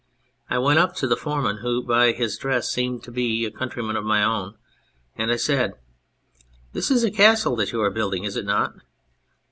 I went up to the foreman, who by his dress seemed to be a country man of my own, and I said, ' This is a castle that you are building, is it not